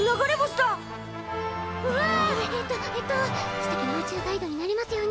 すてきな宇宙ガイドになれますように！